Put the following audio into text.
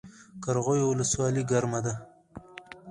قرغیو ولسوالۍ ګرمه ده؟